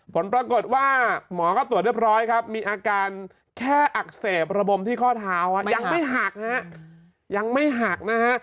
ผลปรากฏว่าหมอก็ตรวจเรียบร้อยครับมีอาการแค่อักเสบระบมที่ข้อเท้ายังไม่หักนะฮะยังไม่หักนะฮะ